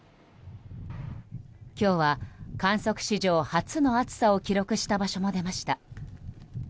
今日は観測史上初の暑さを記録した場所も出ました。